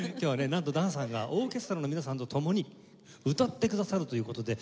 なんと檀さんがオーケストラの皆さんと共に歌ってくださるという事で。